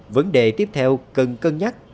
vấn đề tiếp theo cần cân nhắc